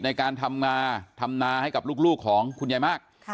ในการทำนาทำนาให้กับลูกของคุณยายมาก